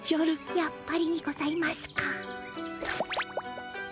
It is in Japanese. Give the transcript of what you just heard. やっぱりにございますか？